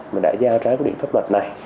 mà đã giao trái quy định pháp luật này